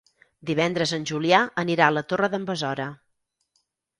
Divendres en Julià anirà a la Torre d'en Besora.